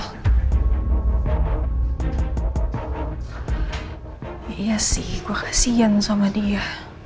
iya sih gue kasian sama dia